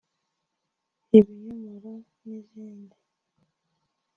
ibinyomoro n’izindi